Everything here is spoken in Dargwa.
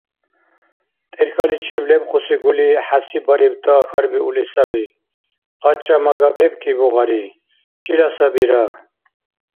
ТӀерхьаличиб лебхуси гули хӀясиббарибта хьарбиули саби: – Къача-мага бебкӀибу-гъари? Чила сабира?